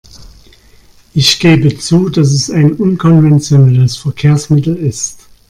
Ich gebe zu, dass es ein unkonventionelles Verkehrsmittel ist.